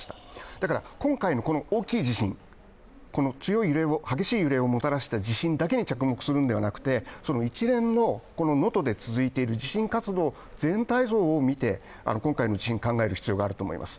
だから今回の大きい地震、強い揺れ、激しい揺れをもたらした地震だけに着目するのではなくて一連の能登で続いている地震活動全体像を見て今回の地震を考える必要があると思います。